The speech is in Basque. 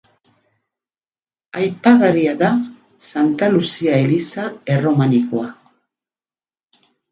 Aipagarria da Santa Luzia eliza erromanikoa.